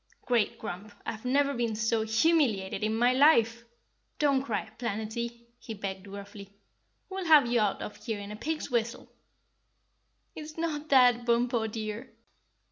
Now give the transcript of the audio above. "Great Grump, I've never been so humiliated in my life. Don't cry, Planetty," he begged gruffly, "we'll have you out of here in a pig's whistle." "It's not that, Bumpo, dear."